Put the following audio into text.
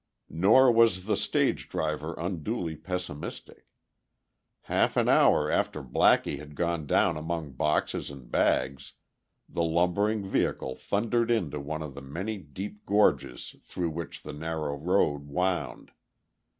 Nor was the stage driver unduly pessimistic. Half an hour after Blackie had gone down among boxes and bags the lumbering vehicle thundered into one of the many deep gorges through which the narrow road wound.